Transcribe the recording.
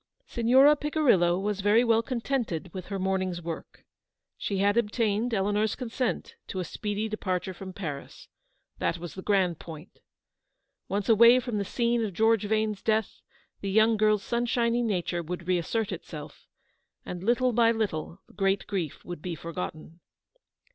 Signora Picirillo was very well contented with her morning's work. She had obtained Eleanor's consent to a speedy departure from Paris ; that was the grand point. Once away from the scene of George Vane's death, the young girl's sunshiny nature would reassert itself, and little by little the great grief would be forgotten.